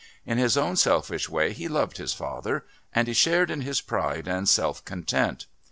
In his own selfish way he loved his father, and he shared in his pride and self content.